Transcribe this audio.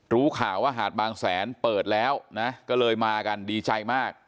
รู้ข่าวว่าหาดบางแสนเปิดแล้วนะก็เลยมากันดีใจมาก